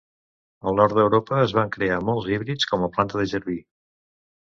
Al nord d'Europa es van crear molts híbrids com a planta de jardí.